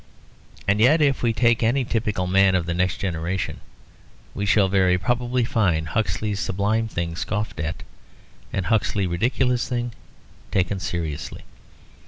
And yet if we take any typical man of the next generation, we shall very probably find Huxley's sublime thing scoffed at, and Huxley's ridiculous thing taken seriously.